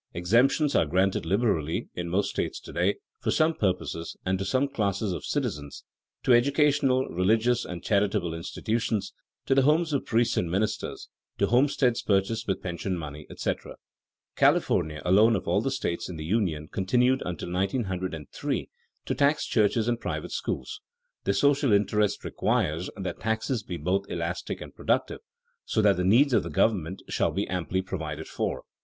Exemptions are granted liberally in most states to day for some purposes and to some classes of citizens; to educational, religious, and charitable institutions; to the homes of priests and ministers; to homesteads purchased with pension money, etc. California alone of all the states in the Union continued until 1903 to tax churches and private schools. The social interest requires that taxes be both elastic and productive, so that the needs of the government shall be amply provided for.